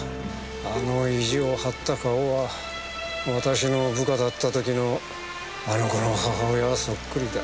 あの意地を張った顔は私の部下だった時のあの子の母親そっくりだ。